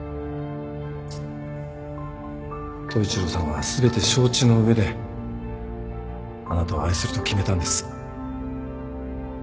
統一郎さんは全て承知の上であなたを愛すると決めたんです。